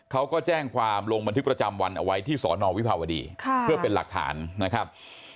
เขาก็แจ้งความลงบันทึกประจำวันเอาไว้ที่สอนอวิภาวดีเพื่อเป็นหลักฐานนะครับ